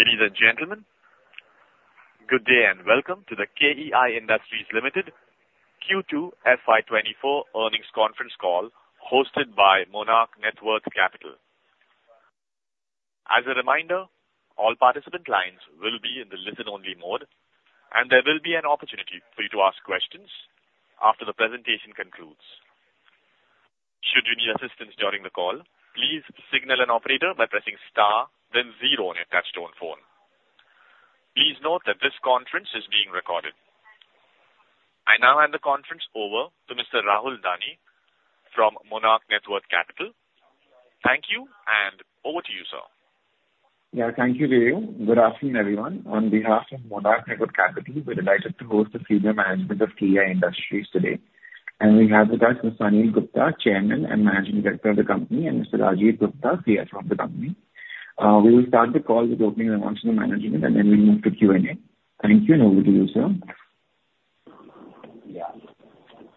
Ladies and gentlemen, good day, and welcome to the KEI Industries Limited Q2 FY 2024 earnings conference call, hosted by Monarch Networth Capital. As a reminder, all participant lines will be in the listen only mode, and there will be an opportunity for you to ask questions after the presentation concludes. Should you need assistance during the call, please signal an operator by pressing star then zero on your touchtone phone. Please note that this conference is being recorded. I now hand the conference over to Mr. Rahul Dani from Monarch Networth Capital. Thank you, and over to you, sir. Yeah. Thank you, Ray. Good afternoon, everyone. On behalf of Monarch Networth Capital, we're delighted to host the senior management of KEI Industries today. We have with us Mr. Anil Gupta, Chairman and Managing Director of the company, and Mr. Rajeev Gupta, CFO of the company. We will start the call with opening remarks from the management, and then we'll move to Q&A. Thank you, and over to you, sir. Yeah.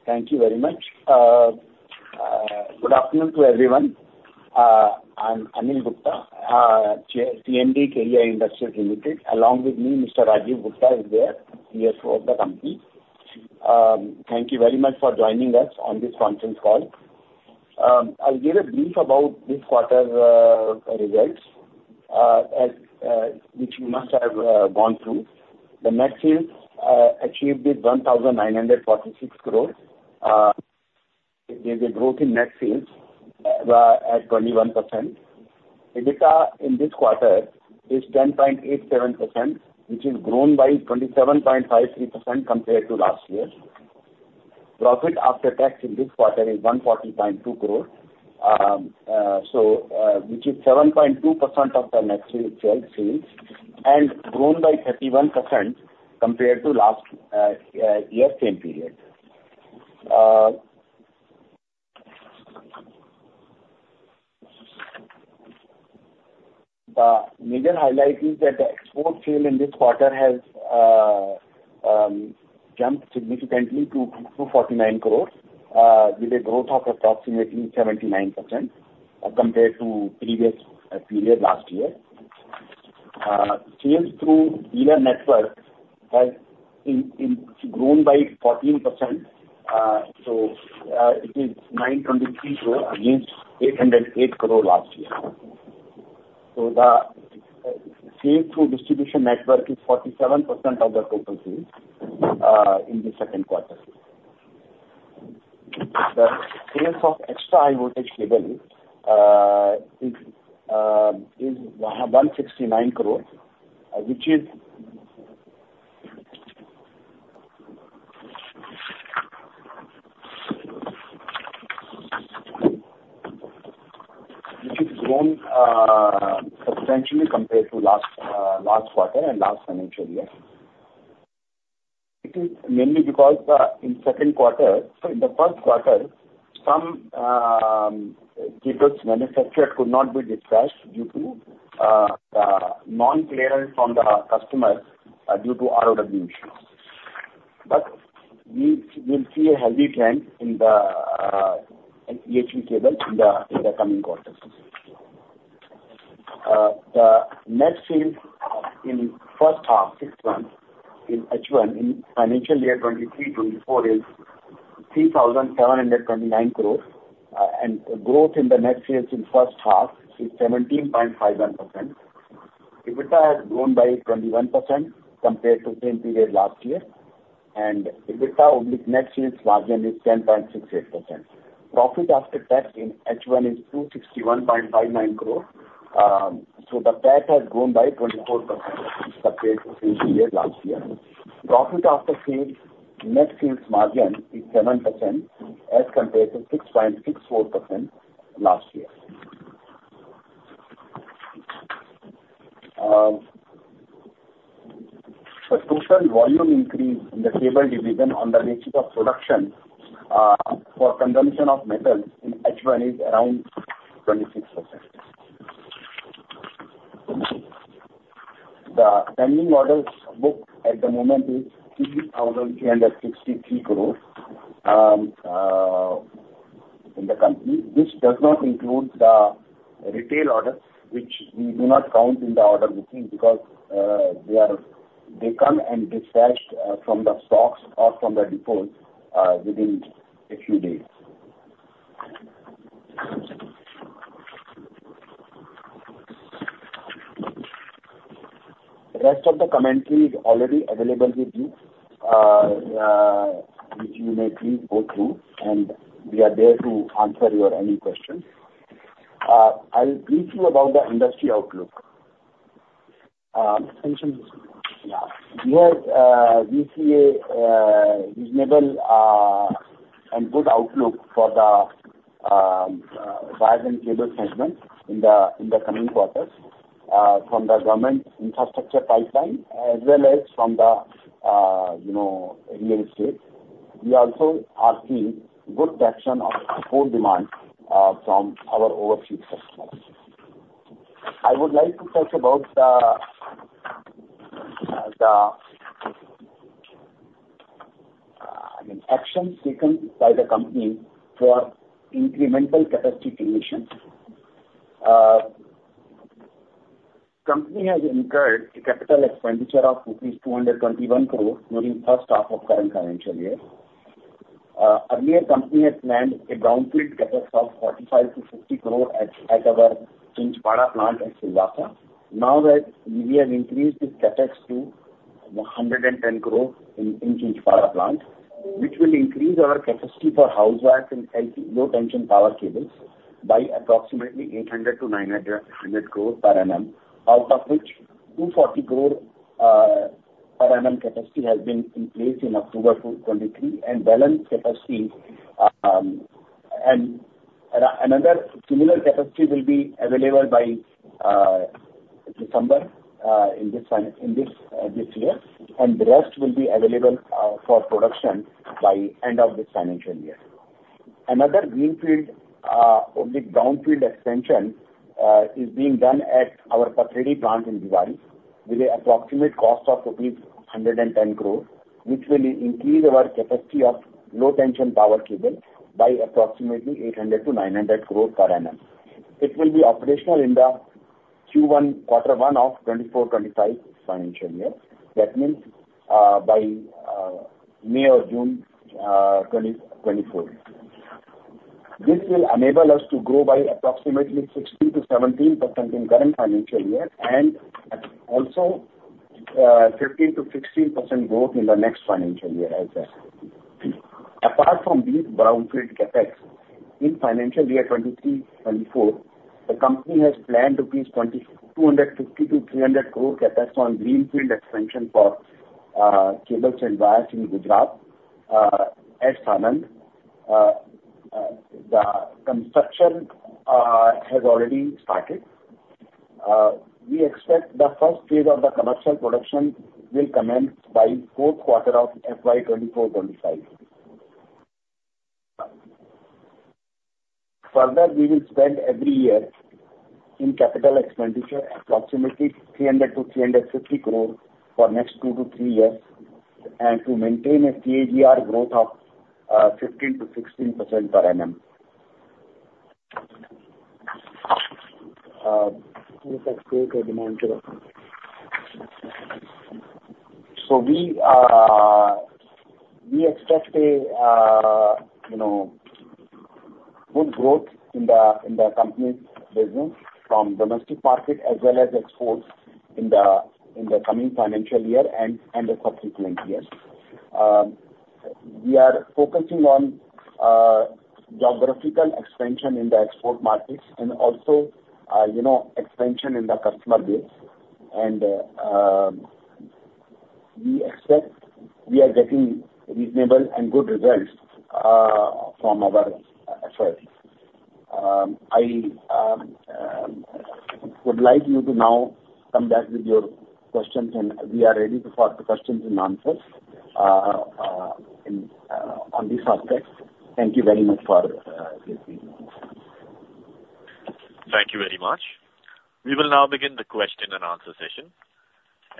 Thank you very much. Good afternoon to everyone. I'm Anil Gupta, Chair, CMD, KEI Industries Limited. Along with me, Mr. Rajeev Gupta is there, CFO of the company. Thank you very much for joining us on this conference call. I'll give a brief about this quarter results, as which you must have gone through. The net sales achieved is 1,946 crores. There's a growth in net sales at 21%. EBITDA in this quarter is 10.87%, which is grown by 27.53% compared to last year. Profit after tax in this quarter is 140.2 crore, so which is 7.2% of the net sales and grown by 31% compared to last year same period. The major highlight is that the export sale in this quarter has jumped significantly to 249 crore, with a growth of approximately 79% compared to previous period last year. Sales through dealer network has grown by 14%, so it is 923 crore against 808 crore last year. So the sales through distribution network is 47% of the total sales in the Q2. The sales of extra high voltage cabling is 169 crore, which is... which has grown substantially compared to last quarter and last financial year. It is mainly because the, in Q2, so in the Q1, some cables manufactured could not be dispatched due to non-clearance from the customer due to ROW issues. But we will see a healthy trend in the EHV cable in the coming quarters. The net sales in first half, six months, in H1, in financial year 2023-2024, is 3,729 crore. And growth in the net sales in first half is 17.51%. EBITDA has grown by 21% compared to the same period last year, and EBITDA on the net sales margin is 10.68%. Profit after tax in H1 is 261.59 crore. So the PAT has grown by 24% compared to same year, last year. Profit after sales, net sales margin is 7% as compared to 6.64% last year. The total volume increase in the cable division on the basis of production, for consumption of metal in H1 is around 26%. The pending orders book at the moment is 50,363 crore in the company, which does not include the retail orders, which we do not count in the order booking because, they come and dispatched, from the stocks or from the depots, within a few days. The rest of the commentary is already available with you, which you may please go through, and we are there to answer your any questions. I'll brief you about the industry outlook. Yeah, we have, we see a reasonable and good outlook for the wire and cable segment in the coming quarters from the government infrastructure pipeline as well as from the, you know, real estate. We also are seeing good traction of core demand from our overseas customers. I would like to talk about the I mean, actions taken by the company for incremental capacity creation. Company has incurred a capital expenditure of 221 crore during first half of current financial year. Earlier company had planned a brownfield CapEx of 45 crore-50 crore at our Chinchpada plant at Silvassa. Now that we have increased the CapEx to 110 crore in Chinchpada plant, which will increase our capacity for house wires and LT-low tension power cables by approximately 800-900 crore per annum, out of which 240 crore per annum capacity has been in place in October 2023, and balance capacity and another similar capacity will be available by December in this year, and the rest will be available for production by end of this financial year. Another greenfield with brownfield expansion is being done at our Pathredi plant in Bhiwadi, with approximate cost of rupees 110 crore, which will increase our capacity of low tension power cable by approximately 800-900 crore per annum. It will be operational in the Q1, quarter one of 2024-25 financial year. That means, by May or June 2024. This will enable us to grow by approximately 16%-17% in current financial year, and also, 15%-16% growth in the next financial year as well. Apart from these brownfield CapEx, in financial year 2023-24, the company has planned to increase 250-300 crore CapEx on greenfield expansion for cables and wires in Gujarat, at Sanand. The construction has already started. We expect the first phase of the commercial production will commence by Q4 of FY 2024-25. Further, we will spend every year in capital expenditure approximately 300 crore-350 crore for next 2-3 years, and to maintain a CAGR growth of 15%-16% per annum. The demand generation. So we expect a you know good growth in the company's business from domestic market as well as exports in the coming financial year and the subsequent years. We are focusing on geographical expansion in the export markets and also you know expansion in the customer base, and we expect we are getting reasonable and good results from our efforts. I would like you to now come back with your questions, and we are ready for the questions and answers in on these aspects. Thank you very much for listening. Thank you very much. We will now begin the question and answer session.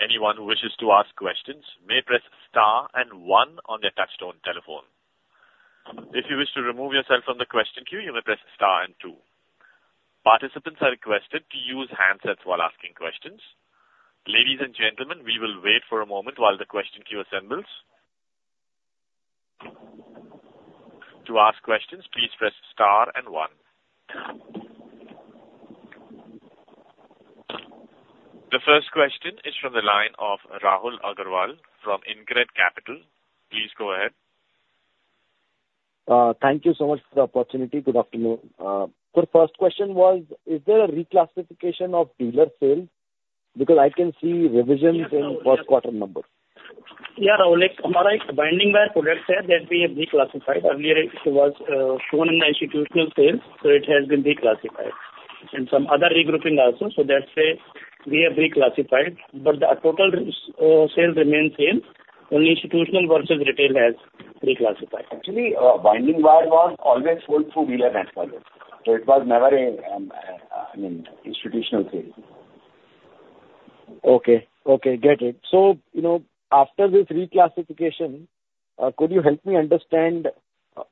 Anyone who wishes to ask questions may press * and one on their touchtone telephone. If you wish to remove yourself from the question queue, you may press * and two. Participants are requested to use handsets while asking questions. Ladies and gentlemen, we will wait for a moment while the question queue assembles. To ask questions, please press * and one. The first question is from the line of Rahul Agarwal from InCred Capital. Please go ahead. Thank you so much for the opportunity. Good afternoon. So first question was, is there a reclassification of dealer sales? Because I can see revisions in Q1 numbers. Yeah, Rahul, like, binding wire products here, that we have reclassified. Earlier it was shown in the institutional sales, so it has been reclassified. And some other regrouping also, so that's why we have reclassified, but the total sales remain same, only institutional versus retail has reclassified. Actually, binding wire was always sold through dealer network, so it was never a, I mean, institutional sale. Okay. Okay, get it. So, you know, after this reclassification, could you help me understand,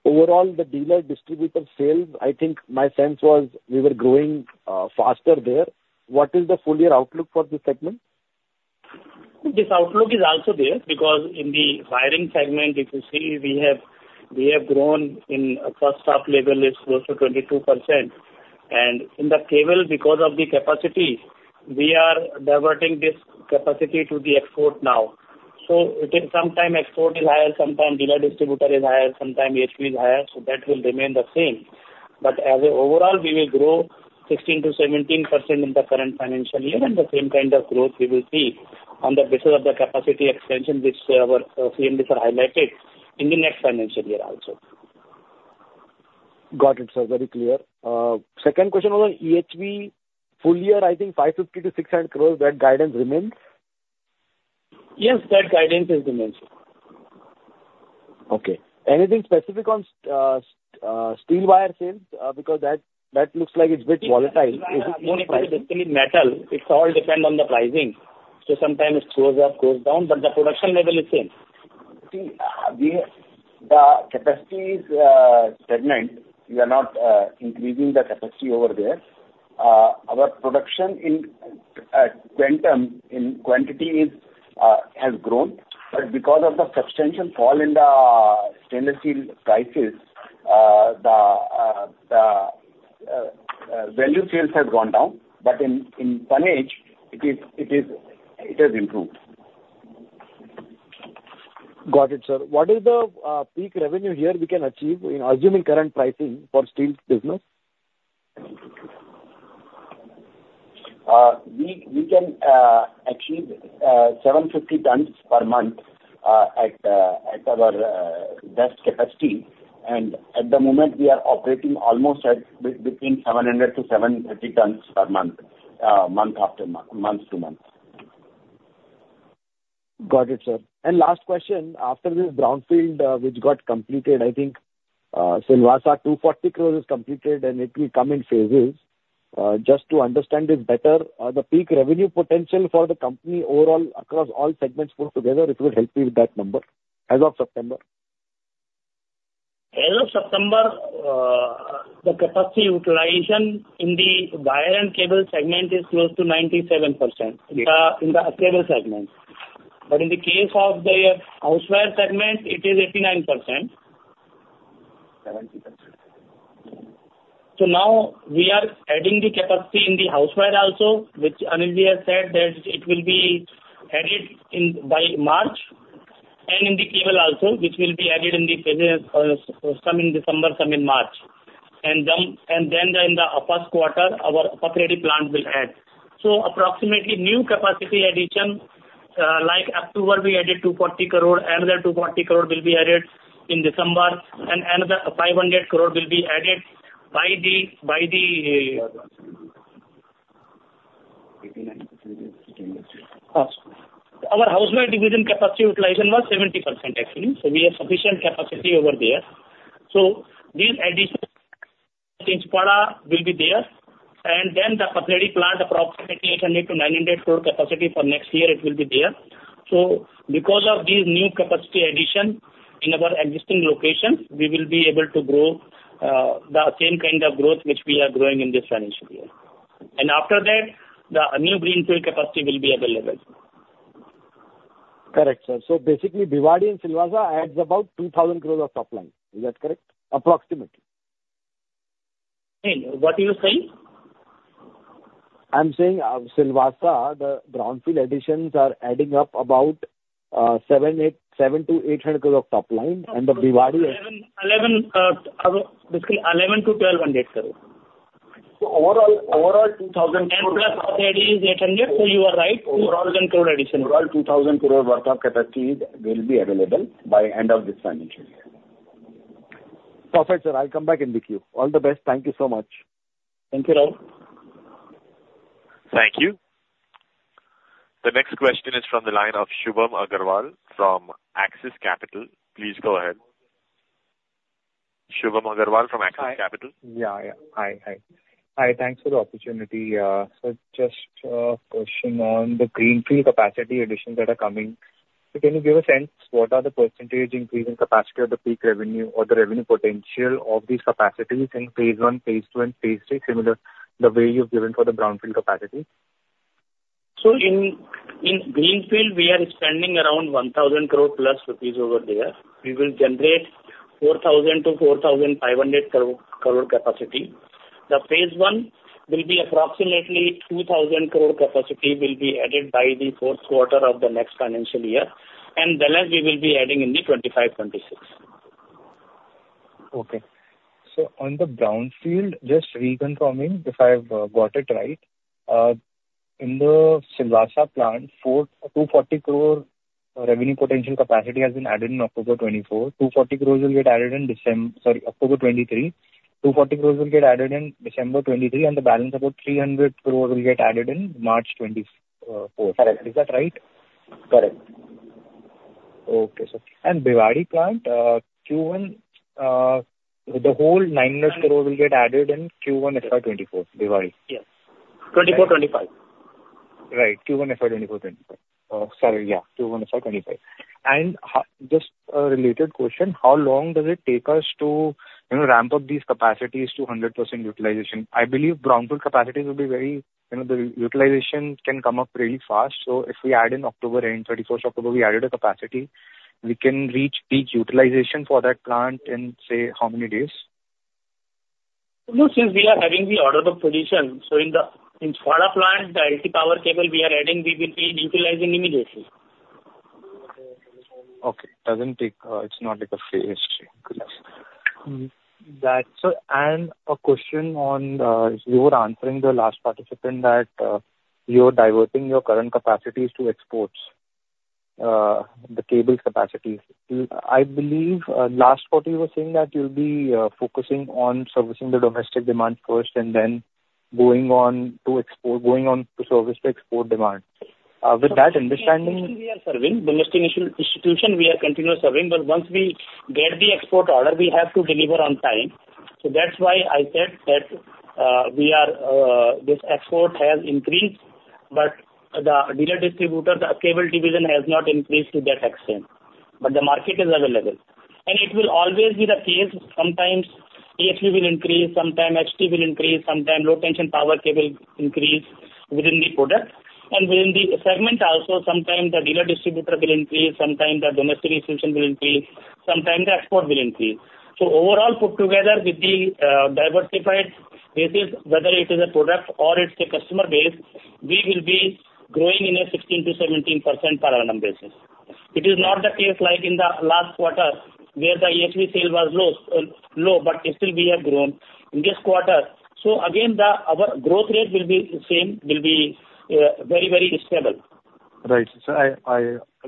overall, the dealer distributor sales? I think my sense was we were growing faster there. What is the full year outlook for this segment? This outlook is also there, because in the wiring segment, if you see, we have, we have grown in, first half level is close to 22%. And in the cable, because of the capacity, we are diverting this capacity to the export now. So it is sometime export is higher, sometime dealer distributor is higher, sometime EHV is higher, so that will remain the same. But as an overall, we will grow 16%-17% in the current financial year, and the same kind of growth we will see on the basis of the capacity expansion which, our team just highlighted in the next financial year also. Got it, sir. Very clear. Second question on EHV, full year, I think 550 crore-600 crore, that guidance remains? Yes, that guidance remains. Okay. Anything specific on steel wire sales? Because that looks like it's a bit volatile. Steel wire is basically metal. It all depend on the pricing.... So sometimes it goes up, goes down, but the production level is same. See, we, the capacity is, segment, we are not, increasing the capacity over there. Our production in, quantum, in quantity is, has grown, but because of the substantial fall in the stainless steel prices, the, the, value sales has gone down, but in, in tonnage, it is, it is, it has improved. Got it, sir. What is the peak revenue here we can achieve in assuming current pricing for steel business? We can achieve 750 tons per month at our best capacity, and at the moment, we are operating almost between 700-750 tons per month, month after month, month to month. Got it, sir. Last question, after this brownfield, which got completed, I think, Silvassa 240 crore is completed, and it will come in phases. Just to understand this better, the peak revenue potential for the company overall across all segments put together, if you would help me with that number as of September? As of September, the capacity utilization in the wire and cable segment is close to 97%- Yes. in the cable segment. But in the case of the housewire segment, it is 89%. Seventy percent. So now we are adding the capacity in the housewire also, which Anilji has said that it will be added in by March, and in the cable also, which will be added in the phase, some in December, some in March. And then in the Q1, our Pathredi plant will add. So approximately, new capacity addition, like October, we added 240 crore, another 240 crore will be added in December, and another 500 crore will be added by the, by the Eighty-nine percent. Our housewire division capacity utilization was 70%, actually, so we have sufficient capacity over there. So these additions in Chinchpada will be there. And then the Pathredi plant, approximately 800 crore-900 crore capacity for next year, it will be there. So because of this new capacity addition in our existing locations, we will be able to grow the same kind of growth which we are growing in this financial year. And after that, the new greenfield capacity will be available. Correct, sir. So basically, Bhiwadi and Silvassa adds about 2,000 crore of top line. Is that correct? Approximately. What are you saying? I'm saying, Silvassa, the brownfield additions are adding up about 700-800 crore of top line, and the Bhiwadi- Basically 1,100-1,200 crore. So overall, 2,000 crore- Plus Pathredi is 800, so you are right, INR 2,000 crore addition. Overall, 2,000 crore worth of capacity will be available by end of this financial year. Perfect, sir. I'll come back in with you. All the best. Thank you so much. Thank you, Rahul. Thank you. The next question is from the line of Shubham Agarwal from Axis Capital. Please go ahead. Shubham Agarwal from Axis Capital? Hi. Hi, thanks for the opportunity. Just a question on the greenfield capacity additions that are coming. So can you give a sense what are the percentage increase in capacity or the peak revenue or the revenue potential of these capacities in phase one, phase two, and phase three, similar the way you've given for the brownfield capacity? So in greenfield, we are spending around 1,000 crore rupees over there. We will generate 4,000-4,500 crore capacity. The phase one will be approximately 2,000 crore capacity will be added by the Q4 of the next financial year, and the last we will be adding in 2025-2026. Okay. So on the brownfield, just reconfirming if I've got it right. In the Silvassa plant, 240 crore revenue potential capacity has been added in October 2024. 240 crores will get added in Decem... Sorry, October 2023. 240 crores will get added in December 2023, and the balance about 300 crore will get added in March 2024. Correct. Is that right? Correct. Okay, sir. Bhiwadi plant, Q1, the whole 900 crore will get added in Q1 FY 2024, Bhiwadi? Yes. 2024, 2025. Right. Q1 FY 2024-25. Sorry, yeah, Q1 FY 2025. And how, just a related question, how long does it take us to, you know, ramp up these capacities to 100% utilization? I believe brownfield capacities will be very, you know, the utilization can come up really fast, so if we add in October end, October 31, we added a capacity, we can reach peak utilization for that plant in, say, how many days? Since we are having the order book position, so in Chinchpada plant, the LT power cable we are adding, we will be utilizing immediately. Okay. It doesn't take. It's not like a phased stream. Got it. That's it. A question on, you were answering the last participant that, you're diverting your current capacities to exports, the cable capacities. I believe, last quarter you were saying that you'll be, focusing on servicing the domestic demand first and then going on to export, going on to service the export demand. With that understanding- We are serving domestic institutional, we are continuously serving, but once we get the export order, we have to deliver on time... So that's why I said that, we are, this export has increased, but the dealer distributor, the cable division has not increased to that extent, but the market is available. And it will always be the case, sometimes EHV will increase, sometime HT will increase, sometime low tension power cable increase within the product. And within the segment also, sometimes the dealer distributor will increase, sometimes the domestic institutional will increase, sometimes the export will increase. So overall, put together with the diversified basis, whether it is a product or it's a customer base, we will be growing in a 16%-17% per annum basis. It is not the case like in the last quarter, where the EHV sale was low, low, but still we have grown. In this quarter, so again, our growth rate will be the same, will be, very, very stable. Right. So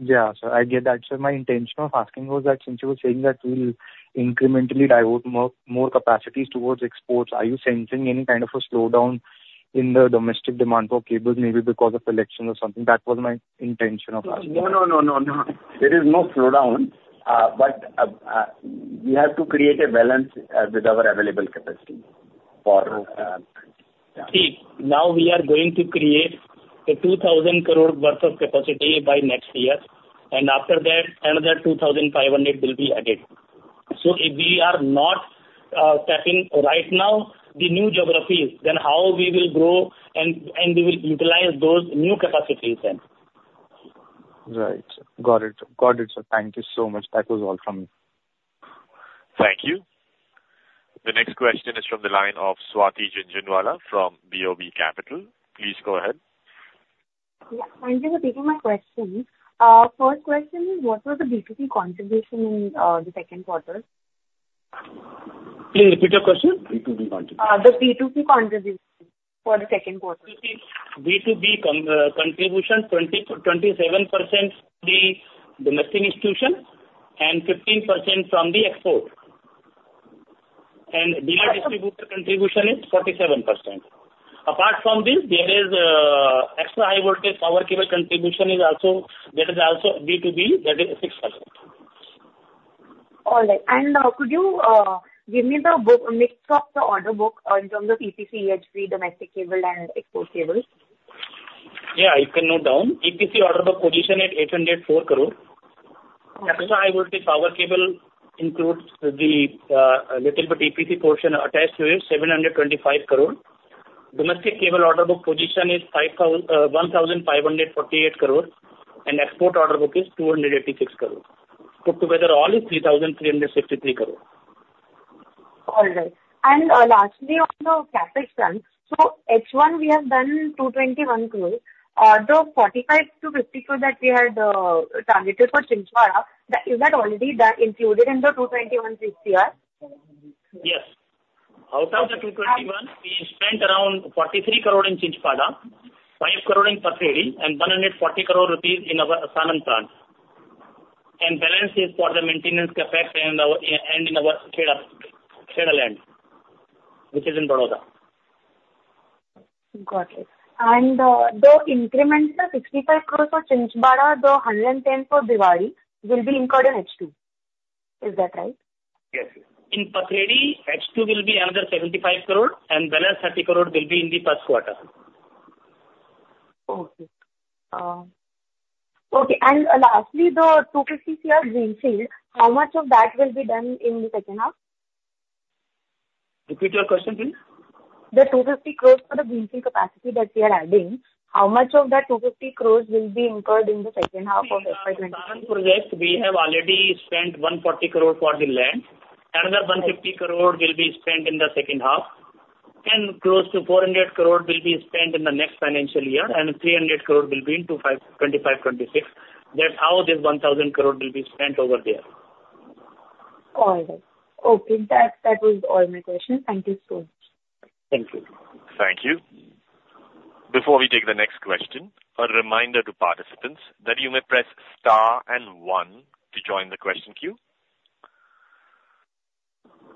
yeah, so I get that. So my intention of asking was that since you were saying that we'll incrementally divert more capacities towards exports, are you sensing any kind of a slowdown in the domestic demand for cables, maybe because of elections or something? That was my intention of asking. No, no, no, no, no. There is no slowdown, but we have to create a balance with our available capacity for, yeah. See, now we are going to create a 2,000 crore worth of capacity by next year, and after that, another 2,500 crore will be added. So if we are not tapping right now the new geographies, then how we will grow and we will utilize those new capacities then? Right. Got it. Got it, sir. Thank you so much. That was all from me. Thank you. The next question is from the line of Swati Jhunjhunwala from BOB Capital. Please go ahead. Yeah, thank you for taking my question. First question is, what was the B2B contribution in the Q2? Please repeat your question. B2B contribution. The B2B contribution for the Q2. B2B contribution, 20%-27% is the domestic institutional and 15% from the export. Dealer distributor contribution is 47%. Apart from this, there is extra-high voltage power cable contribution, which is also B2B, that is 6%. All right. And could you give me the breakup mix of the order book in terms of EPC, EHV, domestic cable and export cable? Yeah, you can note down. EPC order book position at 804 crore. Extra high voltage power cable includes the little bit EPC portion attached to it, 725 crore. Domestic cable order book position is one thousand five hundred and forty-eight crore, and export order book is two hundred and eighty-six crore. Put together, all is INR 3,363 crore. All right. Lastly, on the CapEx front. H1, we have done 221 crore. The 45-50 crore that we had targeted for Chinchpada, is that already included in the 221 crore? Yes. Out of the 221, we spent around 43 crore in Chinchpada, 5 crore in Pathredi, and 140 crore rupees in our Sanand plant. The balance is for the maintenance CapEx in our, and in our Kheda, Kheda land, which is in Vadodara. Got it. The increment, the 65 crore for Chinchpada, the 110 for Bhiwadi, will be incurred in H2. Is that right? Yes. In Pathredi, H2 will be another 75 crore, and balance 30 crore will be in the Q1. Okay, and lastly, the 250 crore greenfield, how much of that will be done in the second half? Repeat your question, please. The 250 crore for the greenfield capacity that we are adding, how much of that 250 crore will be incurred in the second half of the current financial year? See, Sanand project, we have already spent 140 crore for the land. Another 150 crore will be spent in the second half, and close to 400 crore will be spent in the next financial year, and 300 crore will be in FY 2025, 2026. That's how this 1,000 crore will be spent over there. All right. Okay, that, that was all my questions. Thank you so much. Thank you. Thank you. Before we take the next question, a reminder to participants that you may press * and one to join the question queue.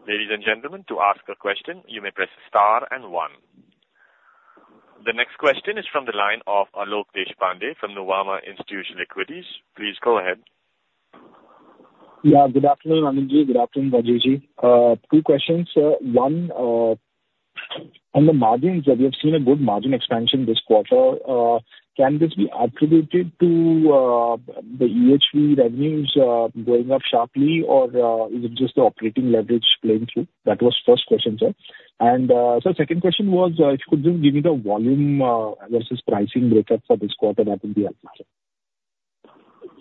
Ladies and gentlemen, to ask a question, you may press * and one. The next question is from the line of Alok Deshpande from Nuvama Institutional Equities. Please go ahead. Yeah, good afternoon, Ramanji. Good afternoon, Vijayji. Two questions. One, on the margins, we have seen a good margin expansion this quarter. Can this be attributed to the EHV revenues going up sharply, or is it just the operating leverage playing through? That was first question, sir. And, so second question was, if you could just give me the volume versus pricing breakup for this quarter, that would be helpful.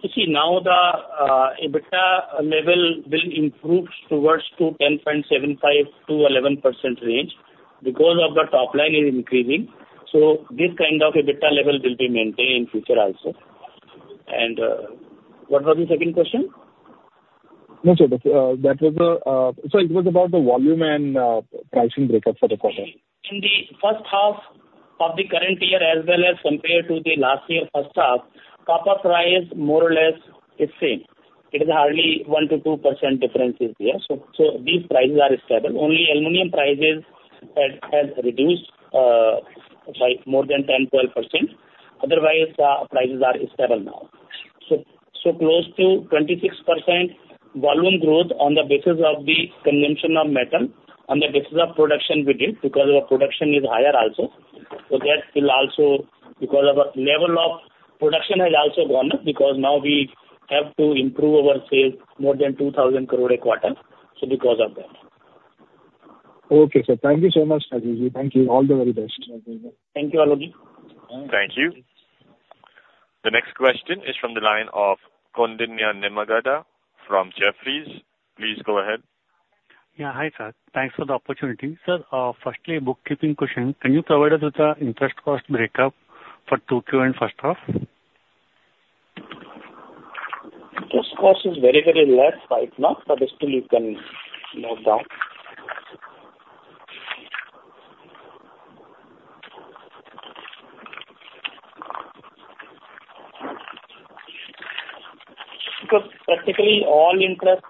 You see, now the EBITDA level will improve towards to 10.75%-11% range because of the top line is increasing, so this kind of EBITDA level will be maintained in future also. And, what was the second question? No, sir, that was the... Sir, it was about the volume and pricing breakup for the quarter. In the first half of the current year, as well as compared to the last year first half, copper price more or less is same. It is hardly 1-2% difference is there. So these prices are stable. Only aluminum prices has reduced by more than 10-12%. Otherwise, prices are stable now. So close to 26% volume growth on the basis of the consumption of metal, on the basis of production we did, because our production is higher also. So that will also, because of our level of production has also gone up, because now we have to improve our sales more than 2,000 crore a quarter, so because of that. Okay, sir. Thank you so much, Rajeevji. Thank you. All the very best. Thank you, Alok. Thank you. The next question is from the line of Koundinya Nimmagadda from Jefferies. Please go ahead. Yeah. Hi, sir. Thanks for the opportunity. Sir, firstly, bookkeeping question: Can you provide us with the interest cost breakup for 2Q and first half? Interest cost is very, very less right now, but still you can note down. Because practically all interest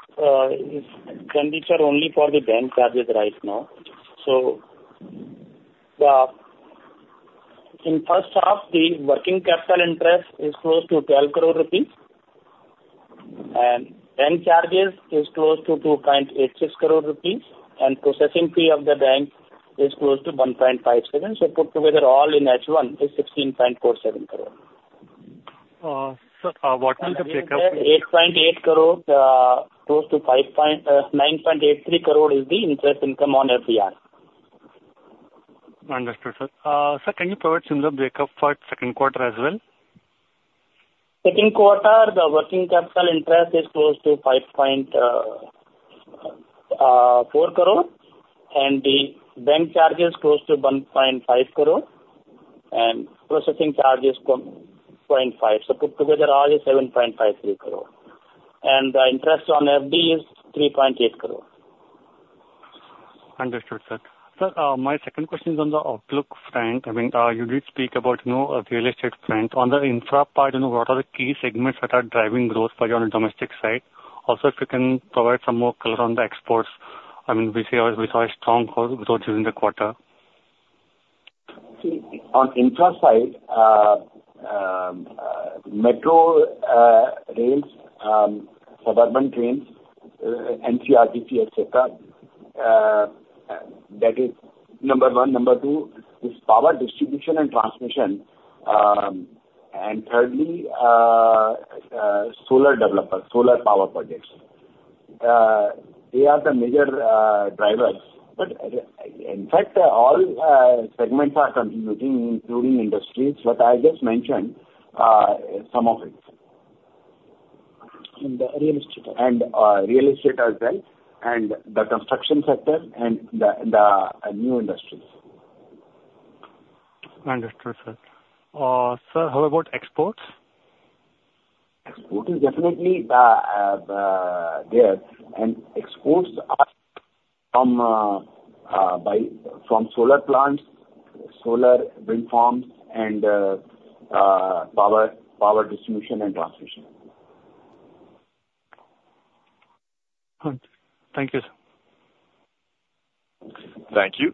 is capitalized only for the bank charges right now. So in first half, the working capital interest is close to 12 crore rupees, and bank charges is close to 2.86 crore rupees, and processing fee of the bank is close to 1.57 crore. So put together all in H1 is 16.47 crore. Sir, what is the breakup? 8.8 crore, close to 5.983 crore is the interest income on FD. Understood, sir. Sir, can you provide similar breakup for Q2 as well? Q2, the working capital interest is close to 5.4 crore, and the bank charge is close to 1.5 crore, and processing charge is 0.5 crore. So put together, all is 7.53 crore, and the interest on FD is 3.8 crore. Understood, sir. Sir, my second question is on the outlook front. I mean, you did speak about, you know, real estate front. On the infra part, you know, what are the key segments that are driving growth for you on the domestic side? Also, if you can provide some more color on the exports. I mean, we saw a strong growth during the quarter. See, on infra side, metro, rails, suburban trains, NCRTC, et cetera, that is number one. Number two is power distribution and transmission. And thirdly, solar developers, solar power projects. They are the major drivers, but in fact, all segments are contributing, including industries, but I just mentioned some of it. The real estate. And real estate as well, and the construction sector and the new industries. Understood, sir. Sir, how about exports? Export is definitely there, and exports are from solar plants, solar wind farms, and power distribution and transmission. Thank you, sir. Thank you.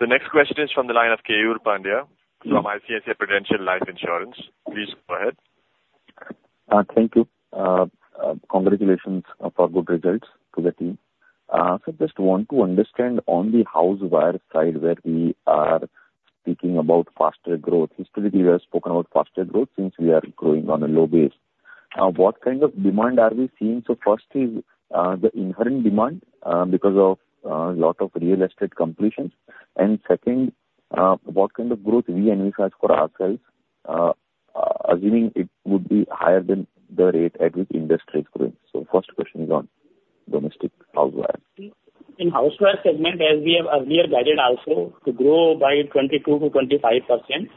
The next question is from the line of Keyur Pandya from ICICI Prudential Life Insurance. Please go ahead. Thank you. Congratulations for good results to the team. So just want to understand on the house wires side, where we are speaking about faster growth. Historically, we have spoken about faster growth since we are growing on a low base. What kind of demand are we seeing? So first is the inherent demand because of a lot of real estate completions. And second, what kind of growth we envisage for ourselves, assuming it would be higher than the rate at which industry is growing? So first question is on domestic house wires. In house wires segment, as we have, we have guided also to grow by 22%-25%,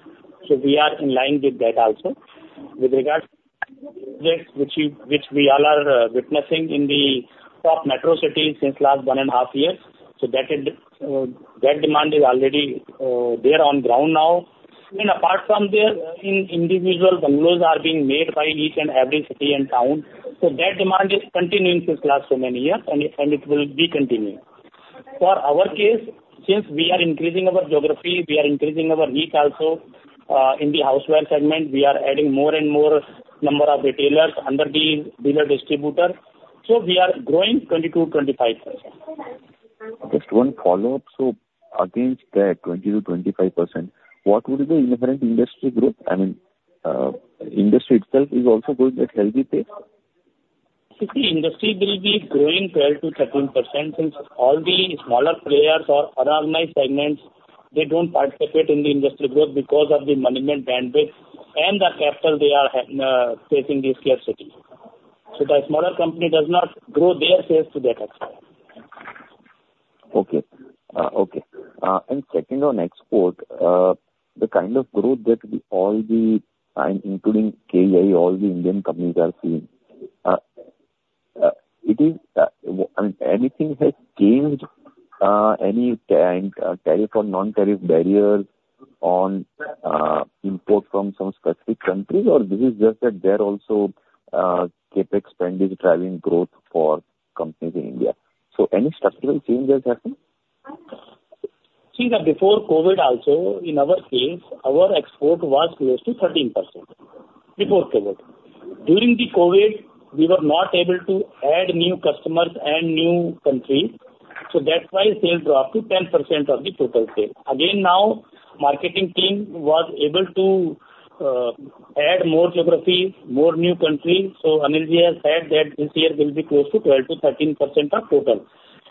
so we are in line with that also. With regards to this, which we all are witnessing in the top metro cities since last one and a half years, so that is, that demand is already there on ground now. Then apart from there, in individual bungalows are being made by each and every city and town, so that demand is continuing since last so many years, and it will be continuing. For our case, since we are increasing our geography, we are increasing our reach also, in the house wires segment, we are adding more and more number of retailers under the dealer distributor, so we are growing 22%-25%. Just one follow-up: so against that 20%-25%, what would be the inherent industry growth? I mean, industry itself is also growing at healthy pace. You see, industry will be growing 12%-13%, since all the smaller players or unorganized segments, they don't participate in the industry growth because of the working bandwidth and the capital they are facing the scarcity. So the smaller company does not grow their sales to that extent. Okay. Okay. And second on export, the kind of growth that we, all the... including KEI, all the Indian companies are seeing, it is, I mean, anything has changed, any tariff or non-tariff barriers on, import from some specific countries? Or this is just that they're also, CapEx spend is driving growth for companies in India. So any structural change has happened? See that before COVID also, in our case, our export was close to 13%, before COVID. During the COVID, we were not able to add new customers and new countries, so that's why sales dropped to 10% of the total sales. Again, now, marketing team was able to add more geographies, more new countries, so Anilji has said that this year will be close to 12%-13% of total.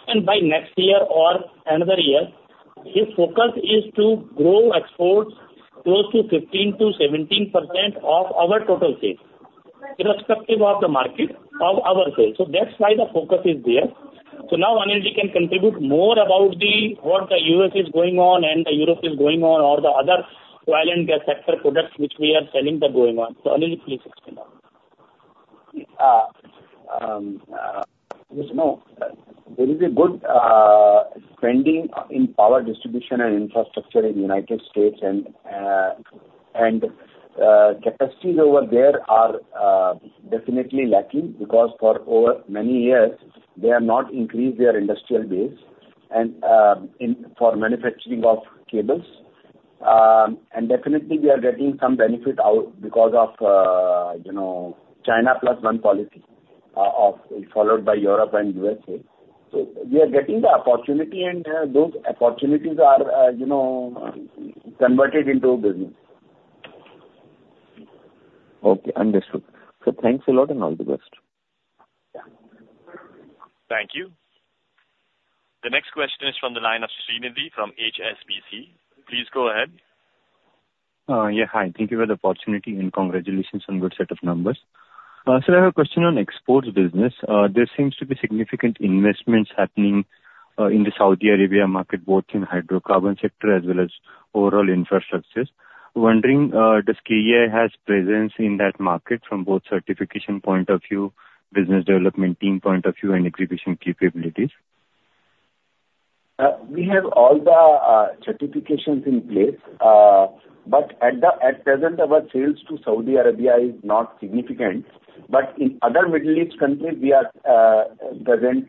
And by next year or another year, his focus is to grow exports close to 15%-17% of our total sales, irrespective of the market, of our sales. So that's why the focus is there. So now, Anilji can contribute more about the, what the U.S. is going on and the Europe is going on, or the other oil and gas sector products which we are selling there going on. Anilji, please explain now. Yes, there is a good trending in power distribution and infrastructure in the United States, and capacities over there are definitely lacking because for over many years, they have not increased their industrial base and for manufacturing of cables. And definitely we are getting some benefit out because of, you know, China plus one policy of followed by Europe and USA. So we are getting the opportunity and those opportunities are, you know, converted into business. Okay, understood. So thanks a lot, and all the best. Yeah. Thank you. The next question is from the line of Srinidhi from HSBC. Please go ahead. Yeah, hi. Thank you for the opportunity and congratulations on good set of numbers. So I have a question on exports business. There seems to be significant investments happening in the Saudi Arabia market, both in hydrocarbon sector as well as overall infrastructures. Wondering, does KEI has presence in that market from both certification point of view, business development team point of view, and execution capabilities? We have all the certifications in place. But at present, our sales to Saudi Arabia is not significant. But in other Middle East countries, we are present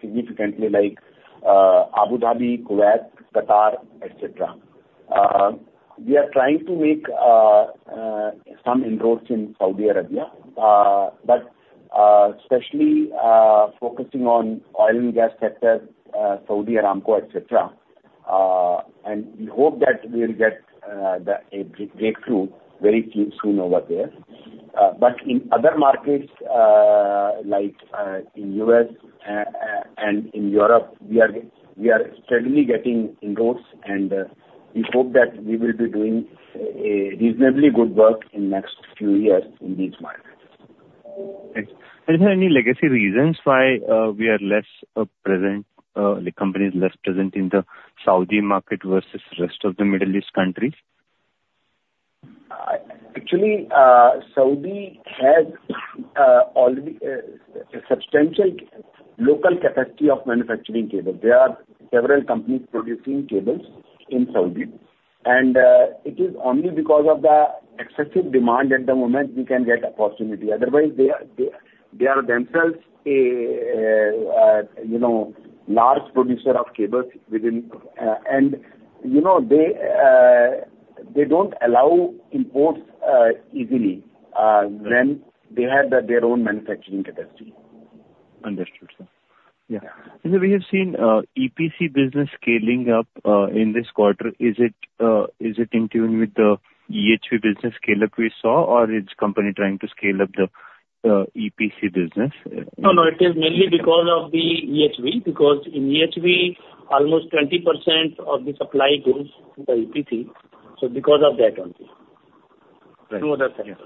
significantly like Abu Dhabi, Kuwait, Qatar, et cetera. We are trying to make some inroads in Saudi Arabia, but especially focusing on oil and gas sector, Saudi Aramco, et cetera, and we hope that we will get a breakthrough very soon over there. But in other markets, like in U.S. and in Europe, we are steadily getting inroads, and we hope that we will be doing a reasonably good work in next few years in these markets. Thanks. Are there any legacy reasons why we are less present, the company is less present in the Saudi market versus rest of the Middle East countries? Actually, Saudi has already a substantial local capacity of manufacturing cable. There are several companies producing cables in Saudi, and it is only because of the excessive demand at the moment, we can get opportunity. Otherwise, they are themselves a you know large producer of cables within. And you know they don't allow imports easily when they have their own manufacturing capacity. Understood, sir. Yeah. And we have seen EPC business scaling up in this quarter. Is it, is it in tune with the EHV business scale-up we saw, or is company trying to scale up the EPC business? No, no, it is mainly because of the EHV, because in EHV, almost 20% of the supply goes to the EPC, so because of that only. Right. No other factor.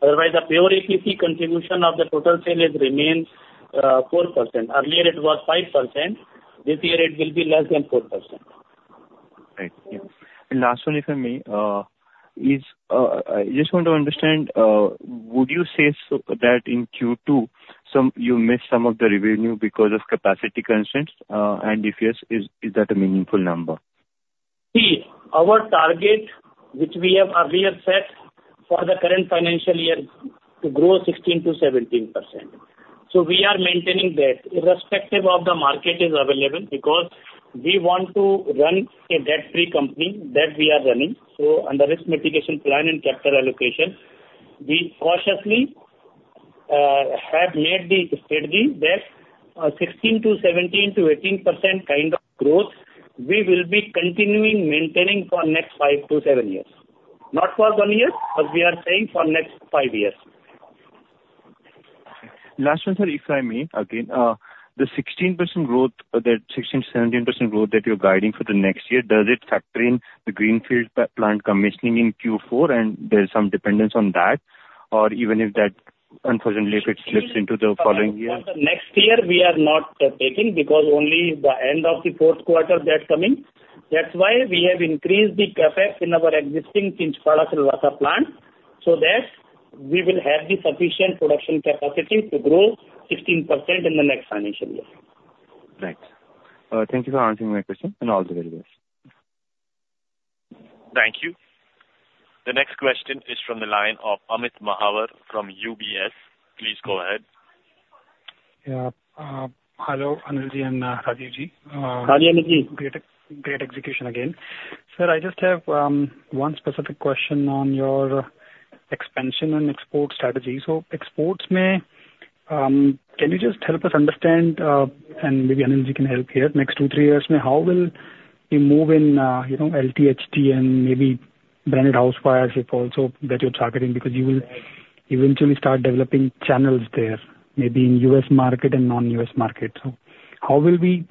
Otherwise, the pure EPC contribution of the total sales remains 4%. Earlier it was 5%, this year it will be less than 4%. Right. And last one, if I may, I just want to understand, would you say that in Q2, you missed some of the revenue because of capacity constraints? And if yes, is that a meaningful number? See, our target, which we have, we have set for the current financial year, to grow 16%-17%. So we are maintaining that, irrespective of the market is available, because we want to run a debt-free company, that we are running. So under risk mitigation plan and capital allocation, we cautiously, have made the strategy that, 16%-18% kind of growth, we will be continuing maintaining for next 5-7 years. Not for 1 year, but we are saying for next 5 years. Last one, sir, if I may, again. The 16% growth, the 16%-17% growth that you're guiding for the next year, does it factor in the greenfield plant commissioning in Q4, and there's some dependence on that? Or even if that, unfortunately, if it slips into the following year? For the next year, we are not taking, because only the end of the Q4 that's coming. That's why we have increased the capacity in our existing Chinchpada, Silvassa plant, so that we will have the sufficient production capacity to grow 16% in the next financial year. Right. Thank you for answering my question, and all the very best. ...Thank you. The next question is from the line of Amit Mahawar from UBS. Please go ahead. Yeah. Hello, Anil Ji and Rajeev Ji. Hello Amit Great, great execution again. Sir, I just have one specific question on your expansion and export strategy. So exports may, can you just help us understand, and maybe Anil Ji can help here, next two, three years may, how will you move in, you know, LT, HT and maybe branded house wires if also that you're targeting? Because you will eventually start developing channels there, maybe in U.S. market and non-U.S. market. So how should we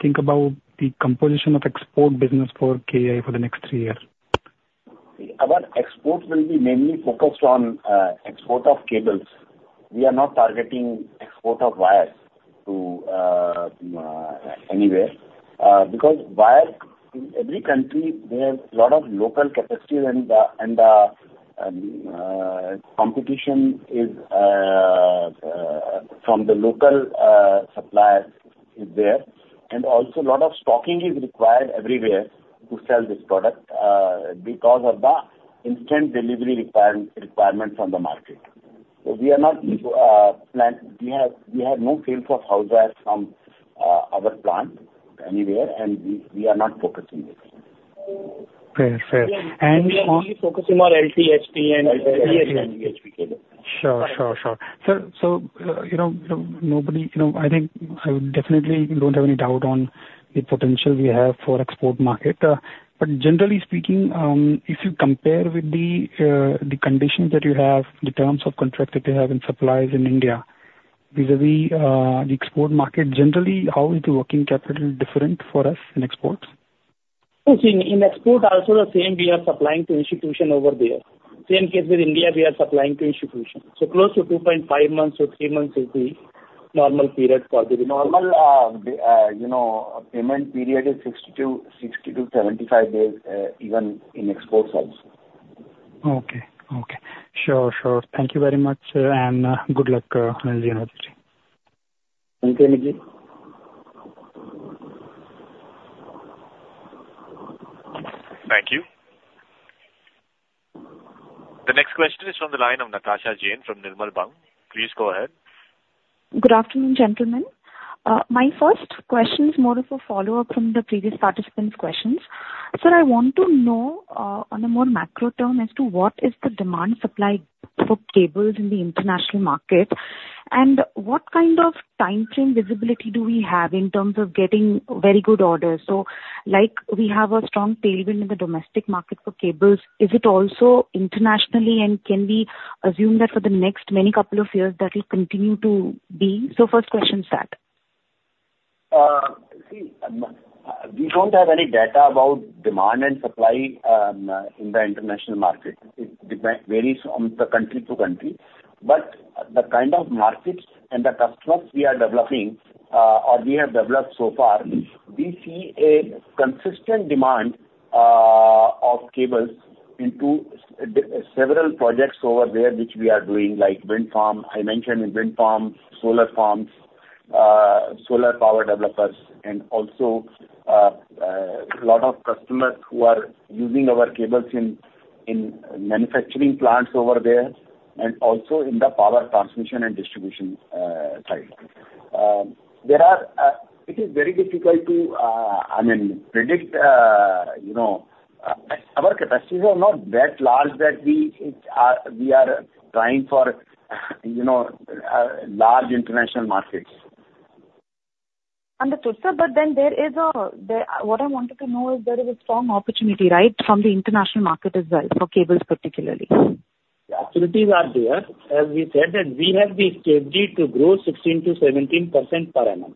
think about the composition of export business for KEI for the next three years? Our exports will be mainly focused on export of cables. We are not targeting export of wires to anywhere because wire in every country there is a lot of local capacity and the competition is from the local suppliers is there. Also a lot of stocking is required everywhere to sell this product because of the instant delivery requirement from the market. So we are not. We have, we have no sales of house wires from our plant anywhere, and we, we are not focusing this. Fair. Fair. We are only focusing on LT, HT and EHV cables. Sure. Sure, sure. So, so, you know, nobody... You know, I think I definitely don't have any doubt on the potential we have for export market. But generally speaking, if you compare with the the conditions that you have, the terms of contract that you have in supplies in India, vis-a-vis, the export market, generally, how is the working capital different for us in exports? So in export also the same, we are supplying to institution over there. Same case with India, we are supplying to institution. So close to 2.5 months or three months is the normal period for the delivery. Normal, you know, payment period is 60-75 days, even in exports also. Okay. Okay. Sure, sure. Thank you very much, and good luck, Anil Ji and Rajeev Ji. Thank you, Anil Ji. Thank you. The next question is from the line of Natasha Jain from Nirmal Bang. Please go ahead. Good afternoon, gentlemen. My first question is more of a follow-up from the previous participant's questions. Sir, I want to know, on a more macro term, as to what is the demand supply for cables in the international market? And what kind of timeframe visibility do we have in terms of getting very good orders? So, like, we have a strong tailwind in the domestic market for cables, is it also internationally? And can we assume that for the next many couple of years, that will continue to be? First question is that. See, we don't have any data about demand and supply in the international market. It varies from the country to country. But the kind of markets and the customers we are developing, or we have developed so far, we see a consistent demand of cables into several projects over there, which we are doing, like wind farm. I mentioned in wind farms, solar farms, solar power developers, and also, lot of customers who are using our cables in manufacturing plants over there, and also in the power transmission and distribution side. It is very difficult to, I mean, predict, you know, our capacities are not that large that we, we are trying for, you know, large international markets. Understood, sir, but then, what I wanted to know is there is a strong opportunity, right? From the international market as well, for cables particularly. The opportunities are there. As we said, that we have the capacity to grow 16%-17% per annum.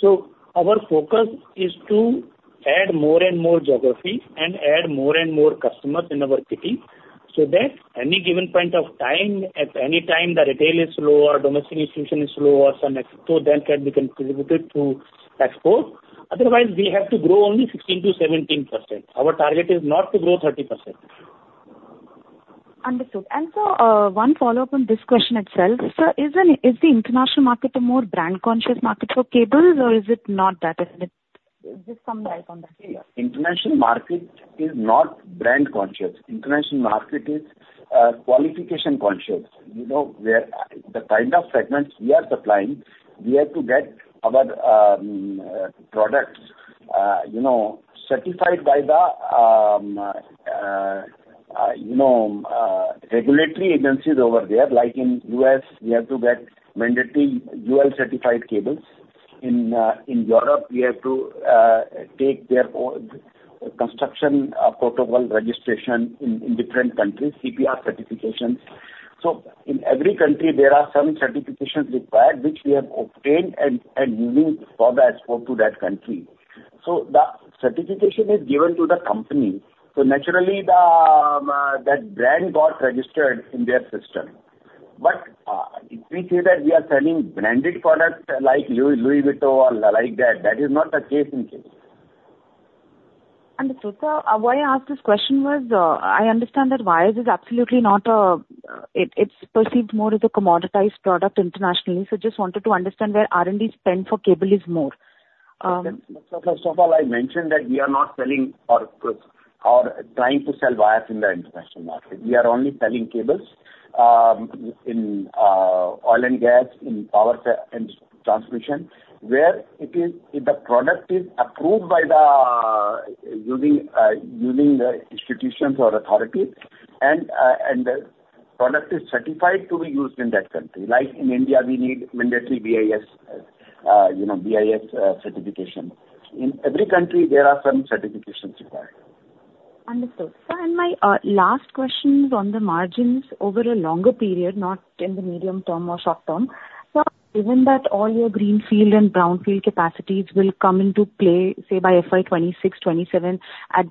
So our focus is to add more and more geography and add more and more customers in our kitty, so that any given point of time, at any time, the retail is slow or domestic institution is slow or some export, then can be contributed to export. Otherwise, we have to grow only 16%-17%. Our target is not to grow 30%. Understood. And so, one follow-up on this question itself. Sir, is the international market a more brand conscious market for cables, or is it not that, just some light on that? International market is not brand conscious. International market is qualification conscious. You know, where the kind of segments we are supplying, we have to get our products you know certified by the regulatory agencies over there. Like in U.S., we have to get mandatory UL certified cables. In Europe, we have to take their own construction protocol registration in different countries, CPR certifications. So in every country, there are some certifications required, which we have obtained and moving for the export to that country. So the certification is given to the company, so naturally the that brand got registered in their system. But if we say that we are selling branded products like Louis Louis Vuitton, like that, that is not the case in cable. Understood. So why I asked this question was, I understand that wires is absolutely not... It's perceived more as a commoditized product internationally. So just wanted to understand where R&D spend for cable is more, So first of all, I mentioned that we are not selling or trying to sell wires in the international market. We are only selling cables in oil and gas, in power and transmission, where it is if the product is approved by the using using the institutions or authority, and and the product is certified to be used in that country. Like in India, we need mandatory BIS, you know, BIS certification. In every country, there are some certifications required. Understood. Sir, and my last question is on the margins over a longer period, not in the medium term or short term. Sir, given that all your greenfield and brownfield capacities will come into play, say by FY 2026, 2027, at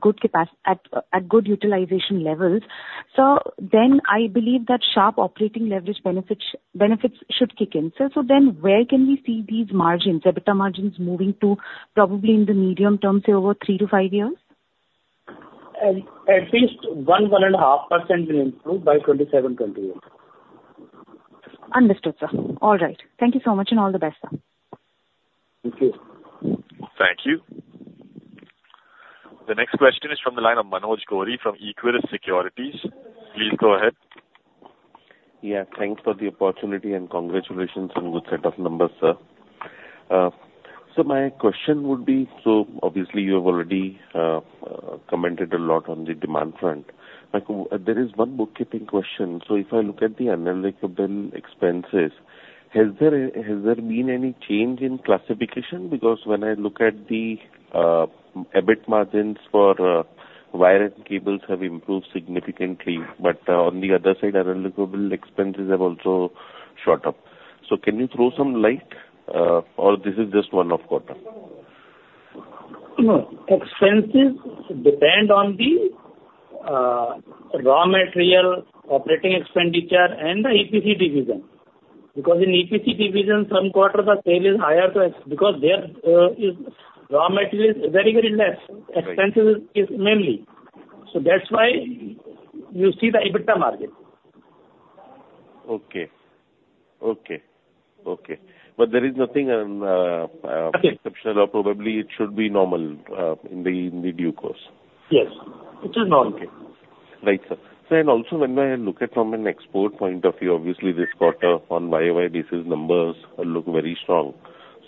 good utilization levels, sir, then I believe that sharp operating leverage benefits should kick in. Sir, so then where can we see these margins, EBITDA margins moving to probably in the medium term, say, over three to five years? At least 1-1.5% will improve by 27-28. Understood, sir. All right. Thank you so much, and all the best, sir. Thank you. Thank you. The next question is from the line of Manoj Gori from Equirus Securities. Please go ahead. Yeah, thanks for the opportunity, and congratulations on good set of numbers, sir. So my question would be, so obviously, you have already commented a lot on the demand front, like, there is one bookkeeping question. So if I look at the uncollectible expenses, has there, has there been any change in classification? Because when I look at the EBIT margins for wire and cables have improved significantly, but on the other side, uncollectible expenses have also shot up. So can you throw some light, or this is just one-off quarter? No. Expenses depend on the raw material, operating expenditure, and the EPC division. Because in EPC division, some quarter the sale is higher, so it's because their raw material is very, very less. Right. Expenses is mainly. So that's why you see the EBITDA margin. Okay. Okay, okay. But there is nothing. Okay. Exceptional or probably it should be normal in the due course? Yes, it is normal. Okay. Right, sir. So and also when I look at from an export point of view, obviously this quarter on YOY basis, numbers look very strong.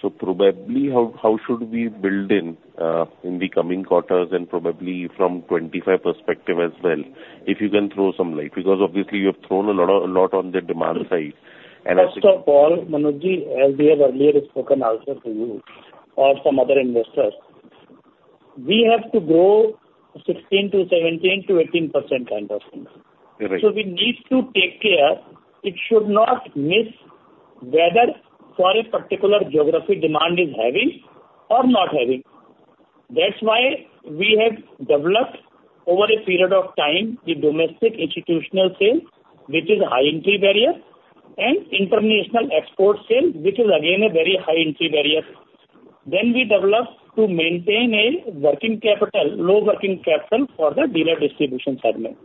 So probably, how, how should we build in in the coming quarters and probably from 25 perspective as well, if you can throw some light? Because obviously you have thrown a lot of, lot on the demand side, and I think- First of all, Manojji, as we have earlier spoken also to you or some other investors, we have to grow 16% to 17% to 18% kind of thing. You're right. So we need to take care. It should not miss whether for a particular geography, demand is heavy or not heavy. That's why we have developed over a period of time the domestic institutional sale, which is high-entry barrier, and international export sale, which is again a very high-entry barrier. Then we developed to maintain low working capital for the dealer distribution segment.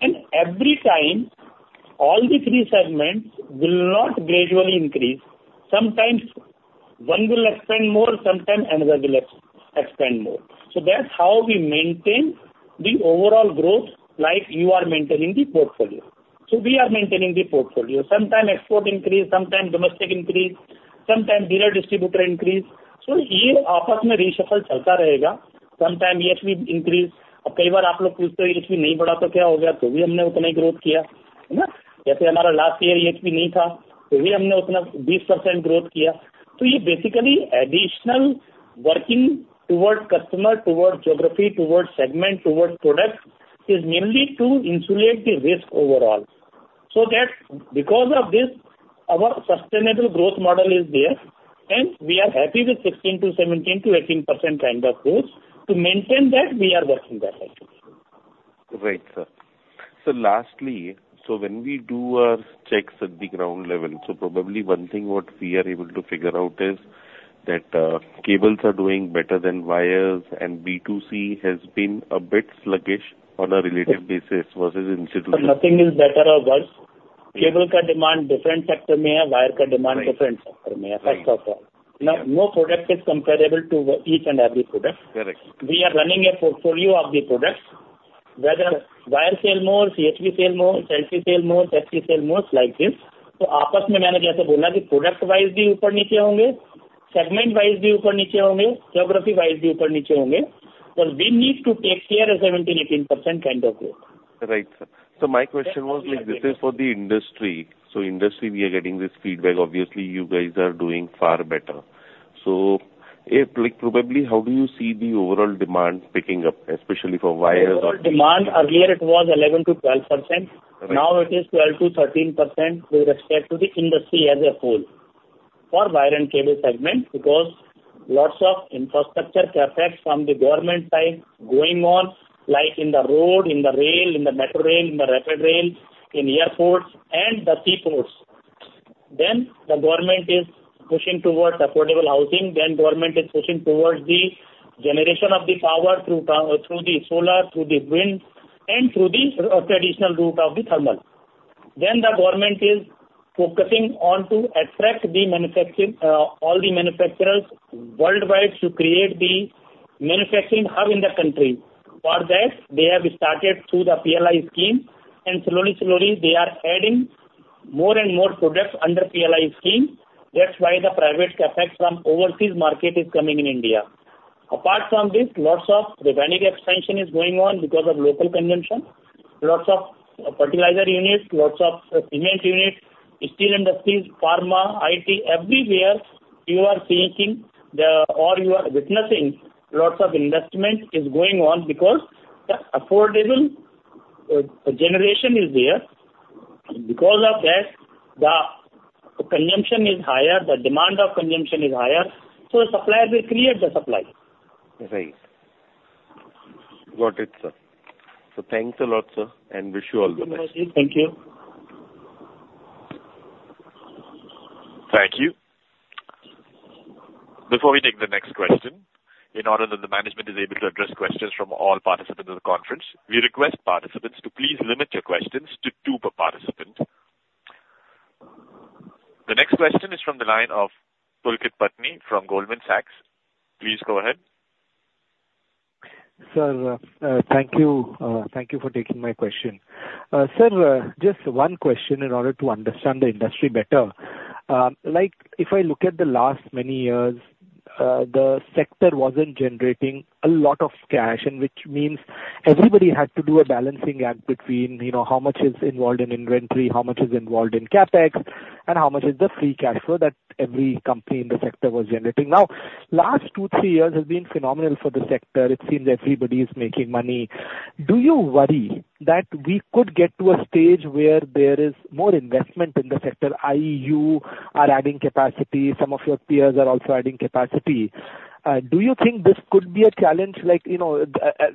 And every time, all the three segments will not gradually increase. Sometimes one will expand more, sometimes another will expand more. So that's how we maintain the overall growth, like you are maintaining the portfolio. So we are maintaining the portfolio. Sometimes export increase, sometimes domestic increase, sometimes dealer distributor increase. So, sometimes HT increase. Right, sir. So lastly, so when we do our checks at the ground level, so probably one thing what we are able to figure out is that cables are doing better than wires, and B2C has been a bit sluggish on a related basis versus institutional. Sir, nothing is better or worse. Cable demand, different sector, wire demand, different sector. Right. First of all. Yeah. No, no product is comparable to each and every product. Correct. We are running a portfolio of the products, whether wire sell more, CHB sell more, LP sell more, SP sell more, like this. Right, sir. So my question was, like, this is for the industry. So industry, we are getting this feedback. Obviously, you guys are doing far better. So, like, probably, how do you see the overall demand picking up, especially for wires or- The overall demand, earlier it was 11%-12%. Right. Now it is 12%-13% with respect to the industry as a whole, for wire and cable segment, because lots of infrastructure projects from the government side going on, like in the road, in the rail, in the metro rail, in the rapid rail, in airports and the seaports. The government is pushing towards affordable housing, then government is pushing towards the generation of the power through power, through the solar, through the wind, and through the traditional route of the thermal. Then the government is focusing on to attract the manufacturing, all the manufacturers worldwide to create the manufacturing hub in the country. For that, they have started through the PLI scheme, and slowly, slowly they are adding more and more products under PLI scheme. That's why the private CapEx from overseas market is coming in India. Apart from this, lots of refinery expansion is going on because of local consumption. Lots of fertilizer units, lots of cement units, steel industries, pharma, IT, everywhere you are thinking the or you are witnessing, lots of investment is going on because the affordable generation is there. Because of that, the consumption is higher, the demand of consumption is higher, so supplier will create the supply. Right. Got it, sir. Thanks a lot, sir, and wish you all the best. Thank you. Thank you. Before we take the next question, in order that the management is able to address questions from all participants of the conference, we request participants to please limit your questions to two per participant. The next question is from the line of Pulkit Patni from Goldman Sachs. Please go ahead. Sir, thank you. Thank you for taking my question. Sir, just one question in order to understand the industry better. Like, if I look at the last many years, the sector wasn't generating a lot of cash, and which means everybody had to do a balancing act between, you know, how much is involved in inventory, how much is involved in CapEx, and how much is the free cash flow that every company in the sector was generating. Now, last two, three years has been phenomenal for the sector. It seems everybody is making money. Do you worry that we could get to a stage where there is more investment in the sector, i.e., you are adding capacity, some of your peers are also adding capacity. Do you think this could be a challenge like, you know,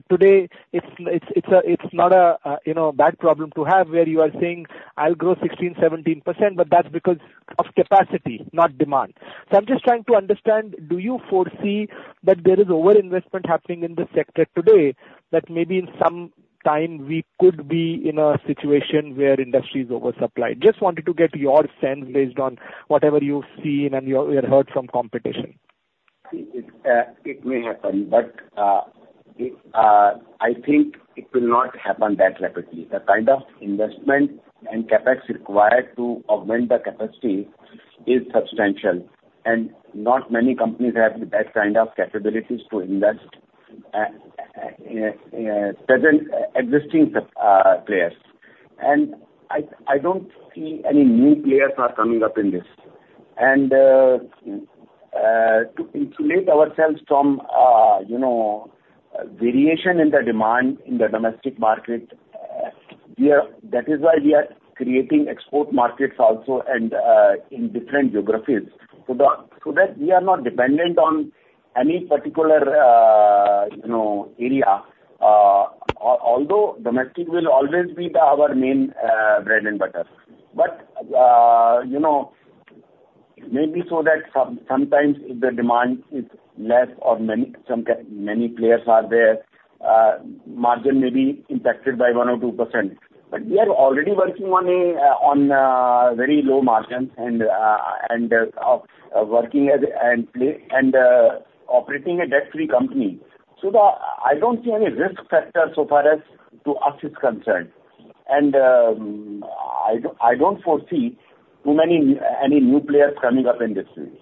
today, it's not a bad problem to have, where you are saying, "I'll grow 16, 17%," but that's because of capacity, not demand. So I'm just trying to understand, do you foresee that there is over-investment happening in this sector today, that maybe in some time we could be in a situation where industry is over-supplied? Just wanted to get your sense based on whatever you've seen and you heard from competition. It may happen, but I think it will not happen that rapidly. The kind of investment and CapEx required to augment the capacity is substantial, and not many companies have that kind of capabilities to invest, present existing such players. I don't see any new players coming up in this. To insulate ourselves from you know variation in the demand in the domestic market, we are. That is why we are creating export markets also and in different geographies, so that we are not dependent on any particular you know area. Although domestic will always be our main bread and butter. But, you know, maybe so that sometimes if the demand is less or many players are there, margin may be impacted by 1 or 2%. But we are already working on very low margins and operating a debt-free company. So, I don't see any risk factor so far as we are concerned, and I don't foresee too many new players coming up in this field.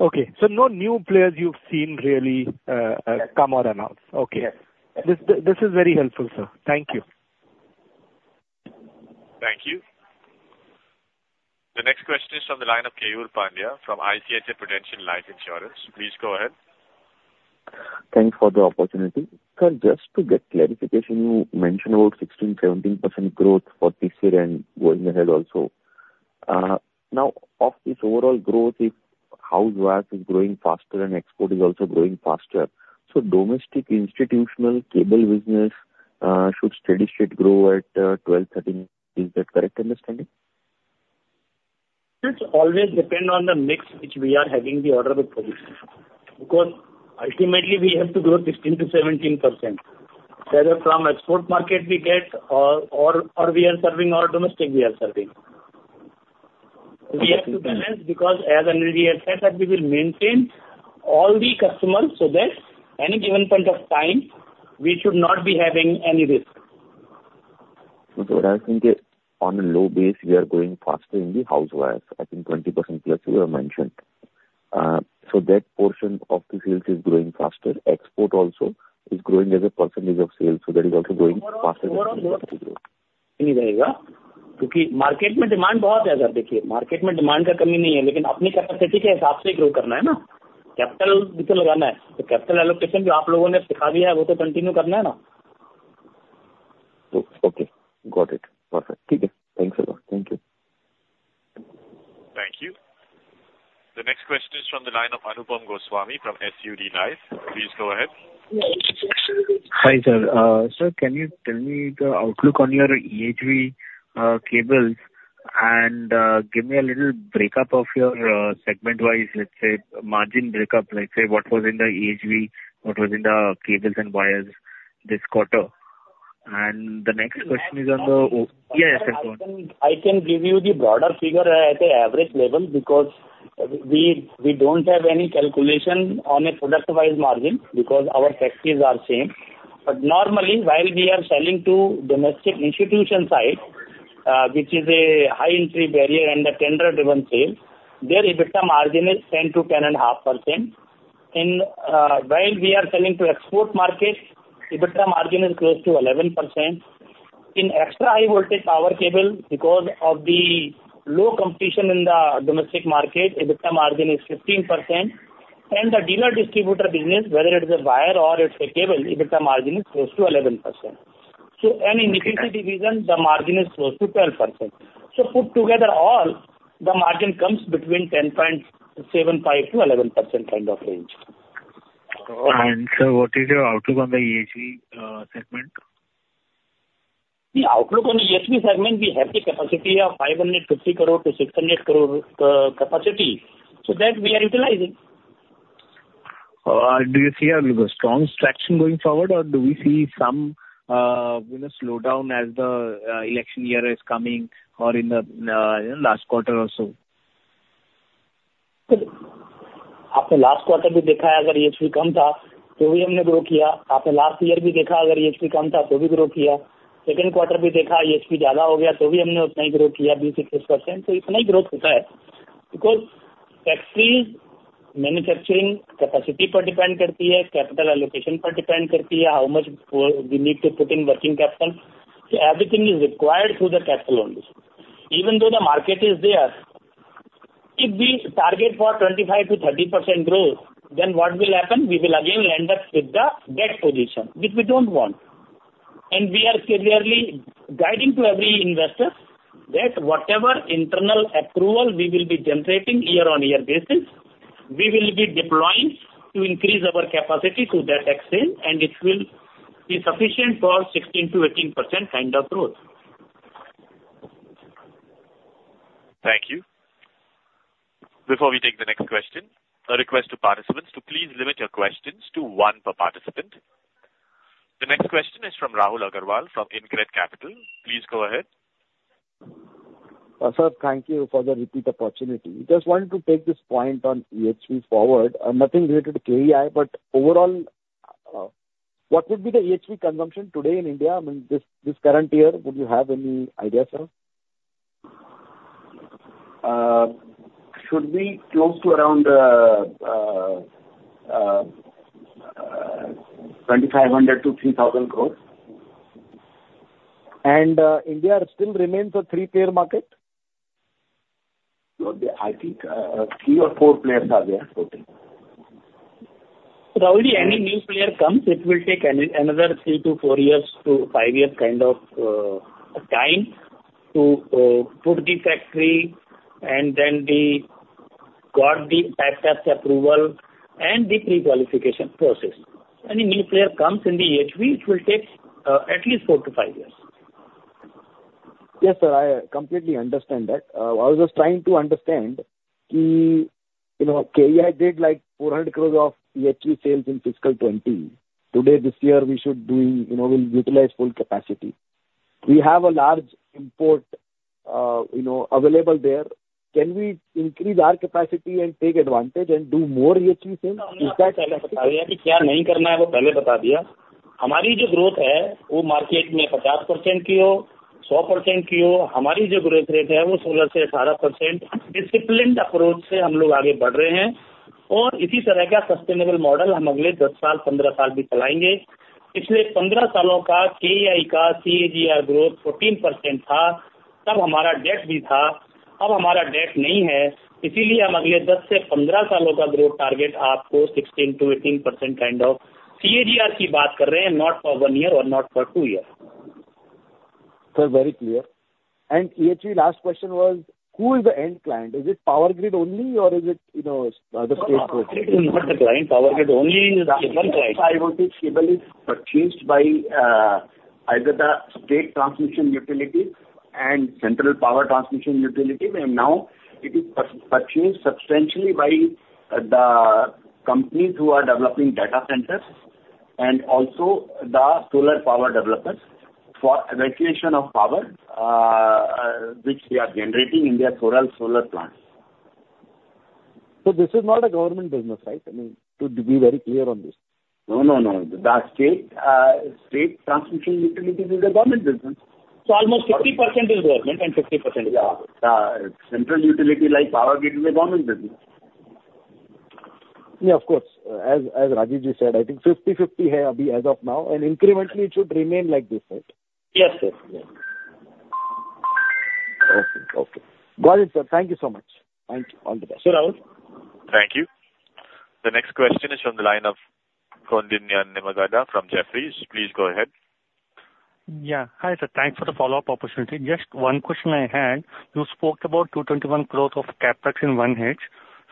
Okay. So no new players you've seen really, come or announce? Yes. Okay. This, this is very helpful, sir. Thank you. Thank you. The next question is from the line of Keyur Pandya from ICICI Prudential Life Insurance. Please go ahead. Thanks for the opportunity. Sir, just to get clarification, you mentioned about 16%-17% growth for this year and going ahead also. Now, of this overall growth, if house wires is growing faster and export is also growing faster, so domestic, institutional, cable business, should steady-state grow at 12-13. Is that correct understanding? It always depends on the mix which we are having the order with production, because ultimately we have to grow 16%-17%, whether from export market we get or we are serving our domestic we are serving. We have to balance, because as we have said that we will maintain all the customers so that any given point of time, we should not be having any risk. What I think is on a low base, we are growing faster in the house wires. I think 20%+ you have mentioned. So that portion of the sales is growing faster. Export also is growing as a percentage of sales, so that is also growing faster. Okay. Got it. Perfect. Thank you, sir. Thank you. Thank you. The next question is from the line of Anupam Goswami from SUD Life. Please go ahead. Hi, sir. Sir, can you tell me the outlook on your EHV cables, and give me a little breakup of your segment-wise, let's say, margin breakup. Let's say, what was in the EHV, what was in the cables and wires this quarter? And the next question is on the- yeah. I can, I can give you the broader figure at an average level, because we, we don't have any calculation on a product-wise margin, because our factories are same. But normally, while we are selling to domestic institutional side, which is a high entry barrier and a tender-driven sales, their EBITDA margin is 10-10.5%. While we are selling to export markets, EBITDA margin is close to 11%. In extra high voltage power cable, because of the low competition in the domestic market, EBITDA margin is 15%, and the dealer distributor business, whether it is a wire or it's a cable, EBITDA margin is close to 11%. So and in the SS division, the margin is close to 12%. So put together all, the margin comes between 10.75%-11% kind of range. Sir, what is your outlook on the EHV segment? The outlook on EHV segment, we have the capacity of 550 crore-600 crore, capacity, so that we are utilizing. Do you see a strong traction going forward, or do we see some, you know, slowdown as the, election year is coming or in the, you know, last quarter or so? After last quarter, Q2 EBITDA, because factory manufacturing capacity, capital allocation, how much we need to put in working capital. So everything is required through the capital only. Even though the market is there, if we target for 25%-30% growth, then what will happen? We will again land up with the debt position, which we don't want. We are clearly guiding to every investor that whatever internal approval we will be generating year-on-year basis, we will be deploying to increase our capacity to that extent, and it will be sufficient for 16%-18% kind of growth. Thank you. Before we take the next question, a request to participants to please limit your questions to one per participant. The next question is from Rahul Agarwal from Incred Capital. Please go ahead. Sir, thank you for the repeat opportunity. Just wanted to take this point on EHV forward. Nothing related to KEI, but overall, what would be the EHV consumption today in India? I mean, this current year, would you have any idea, sir? Should be close to around 2,500 crores-3,000 crores. India still remains a three-player market? I think, 3 or 4 players are there totally. So probably, any new player comes, it will take another 3-4 years to 5 years, kind of, time to put the factory and then get the approval and the prequalification process. Any new player comes in the EHV, it will take at least 4-5 years. Yes, sir, I completely understand that. I was just trying to understand, the, you know, KEI did, like, 400 crore of EHV sales in fiscal 2020. Today, this year, we should doing, you know, we'll utilize full capacity. We have a large import, you know, available there. Can we increase our capacity and take advantage and do more EHV sales?... Yeah. Hi, sir. Thanks for the follow-up opportunity. Just one question I had. You spoke about 221 growth of CapEx in 1H.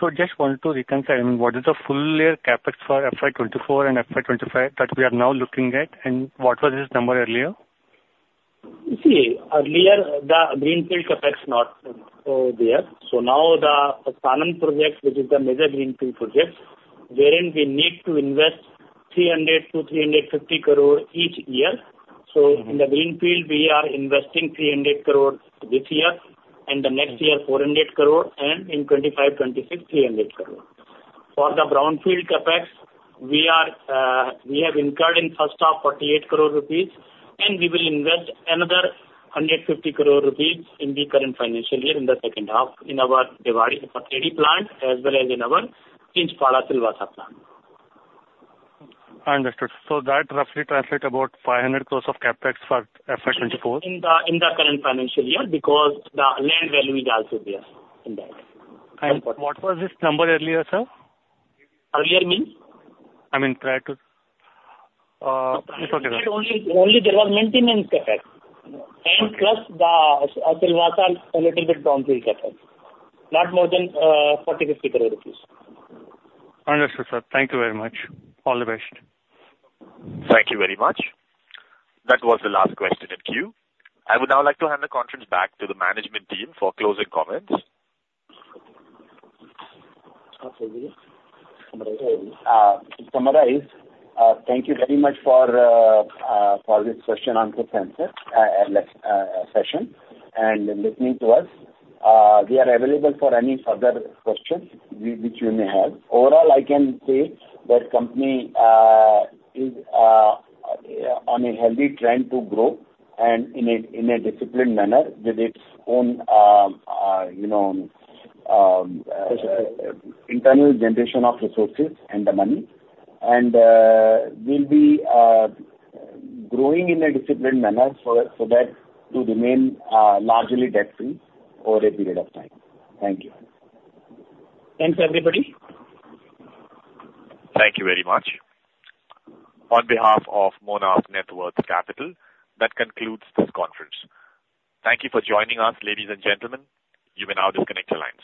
So just wanted to reconcile, I mean, what is the full year CapEx for FY 2024 and FY 2025 that we are now looking at, and what was this number earlier? You see, earlier, the greenfield CapEx not there. So now the Sanand project, which is the major greenfield project, wherein we need to invest 300 crore-350 crore each year. So in the greenfield, we are investing 300 crore this year, and the next year, 400 crore, and in 2025-2026, 300 crore. For the brownfield CapEx, we have incurred in first half, 48 crore rupees, and we will invest another 150 crore rupees in the current financial year, in the second half, in our Bhiwadi utility plant, as well as in our Chinchpada Silvassa plant. I understood. So that roughly translate about 500 crore of CapEx for FY 2024? In the current financial year, because the land value is also there in that. What was this number earlier, sir? Earlier means? I mean, prior to, it's okay, then. Only, only there was maintenance CapEx. And plus the Silvassa, a little bit brownfield CapEx. Not more than 40-50 crore rupees. Understood, sir. Thank you very much. All the best. Thank you very much. That was the last question in queue. I would now like to hand the conference back to the management team for closing comments. To summarize, thank you very much for this question and answer session and listening to us. We are available for any further questions which you may have. Overall, I can say that company is on a healthy trend to grow and in a disciplined manner with its own, you know, internal generation of resources and the money. We'll be growing in a disciplined manner for so that to remain largely debt-free over a period of time. Thank you. Thanks, everybody. Thank you very much. On behalf of Monarch Networth Capital, that concludes this conference. Thank you for joining us, ladies and gentlemen. You may now disconnect your lines.